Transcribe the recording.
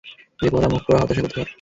বেপরোয়া-মুখপোড়া হতাশা কোথাকার!